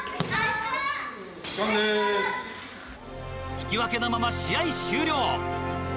引き分けのまま試合終了。